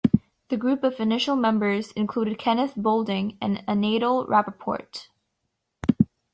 The group of initial members included Kenneth Boulding and Anatol Rapoport.